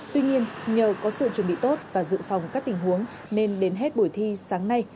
tuy nhiên nhờ có sự chuẩn bị tốt và dự phòng các tình huống nên đến hết buổi thi sáng nay